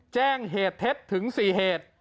แจ้งเหตุเท็จถึง๔เหตุ